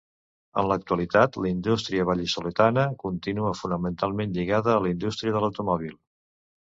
En l'actualitat, la indústria val·lisoletana continua fonamentalment lligada a la indústria de l'automòbil.